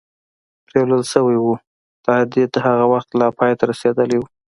پرېولل شوي و، تعهد هغه وخت لا پای ته رسېدلی و.